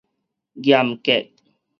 嚴格